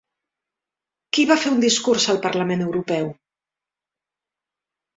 Qui va fer un discurs al Parlament Europeu?